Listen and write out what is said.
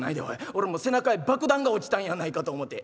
俺もう背中へ爆弾が落ちたんやないかと思うて」。